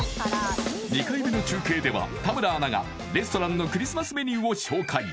２回目の中継では田村アナがレストランのクリスマスメニューを紹介